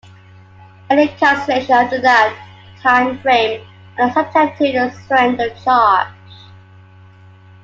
Any cancellation after that time frame are not subject to a surrender charge.